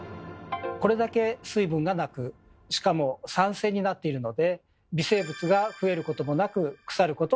これだけ水分がなくしかも酸性になっているので微生物が増えることもなく腐ることはありません。